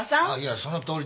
そのとおりです。